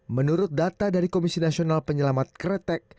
menurut data dari komisi nasional penyelamat kretek